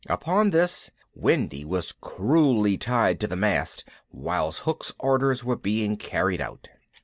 Upon this, Wendy was cruelly tied to the mast whilst Hook's orders were being carried out.